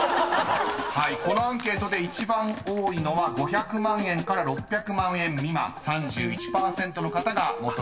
［このアンケートで一番多いのは５００万円から６００万円未満］［３１％の方が求める年収として答えています］